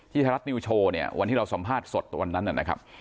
ไทยรัฐนิวโชว์เนี่ยวันที่เราสัมภาษณ์สดวันนั้นนะครับ